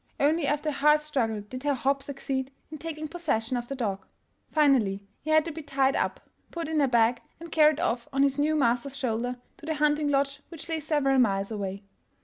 Only after a hard struggle did Herr Hopp succeed in taking possession of the dog. Finally he had to be tied up, put in a bag, and carried off on his new master's shoulder to the hunting lodge which lay several miles away.